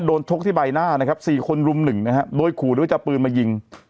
ชกที่ใบหน้านะครับ๔คนรุมหนึ่งนะฮะโดยขู่ด้วยจะเอาปืนมายิง